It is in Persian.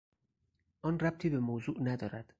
آن ربطی به موضوع ندارد.